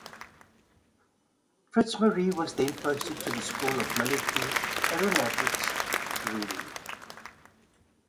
Fitzmaurice was then posted to the School of Military Aeronautics at Reading.